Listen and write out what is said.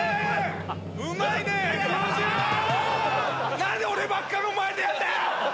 何で俺ばっかの前でやんだよ！